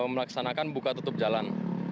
melaksanakan buka tutup jalan